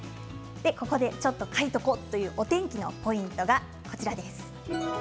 ここで「ちょっと書いとこ！」というお天気のポイントです。